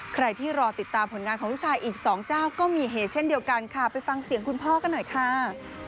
ใครที่รอติดตามผลงานของลูกชายอีกสองเจ้าก็มีเหตุเช่นเดียวกันค่ะไปฟังเสียงคุณพ่อกันหน่อยค่ะ